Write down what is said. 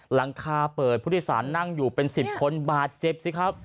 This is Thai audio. หลังคาเปิดผู้โดยสารนั่งอยู่เป็น๑๐คนบาดเจ็บสิครับ